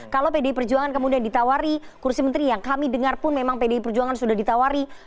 kalau pdi perjuangan kemudian ditawari kursi menteri yang kami dengar pun memang pdi perjuangan sudah ditawari